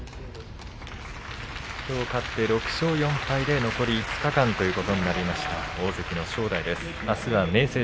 きょう勝って６勝４敗で残り５日間ということになりました、大関の正代です。